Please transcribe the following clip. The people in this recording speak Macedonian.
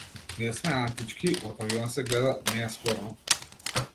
Ние сме антички, од авион се гледа, не е спорно.